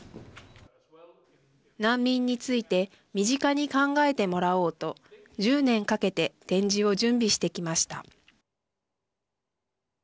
難民について身近に考えてもらおうと１０年かけて展示を準備してきました。